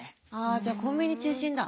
じゃコンビニ中心だ。